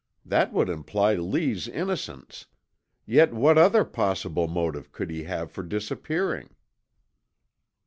That would imply Lee's innocence, yet what other possible motive could he have for disappearing?"